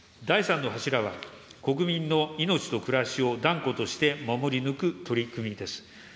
第３の柱は国民の命と暮らしを断固として守り抜く取り組みです。